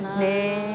ねえ。